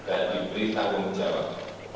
dan diberi tanggung jawab